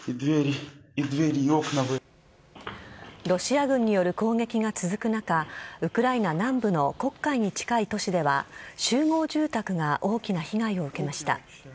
ロシア軍による攻撃が続く中、ウクライナ南部の黒海に近い都市では、集合住宅が大きな被害を受けました。